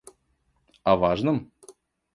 О важном?